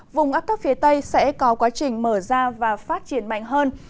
vùng ấp thấp phía tây sẽ có quá trình mở ra và phát triển mạnh hơn